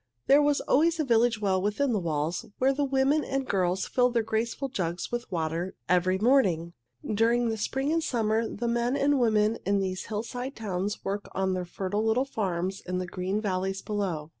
There was always a village well within the walls, where the women and girls filled their graceful jugs with water every morning. During spring and summer the men and women in these hillside towns work on their fertile little farms in the green valleys below.